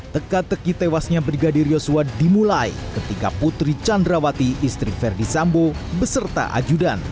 teka teki tewasnya brigadir yosua dimulai ketika putri candrawati istri verdi sambo beserta ajudan